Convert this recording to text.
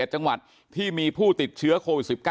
๗จังหวัดที่มีผู้ติดเชื้อโควิด๑๙